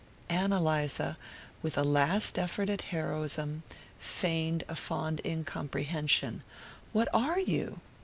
Ann Eliza, with a last effort of heroism, feigned a fond incomprehension. "What ARE you?"